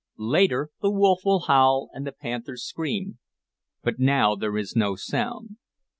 Later the wolf will howl and the panther scream, but now there is no sound.